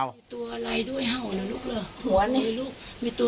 มีตัวอะไรด้วยเห่านะลูกเหรอหัวนี่ลูกมีตัว